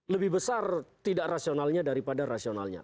lebih besar tidak rasionalnya daripada rasionalnya